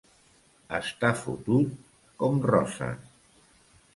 Estar fotut com Roses.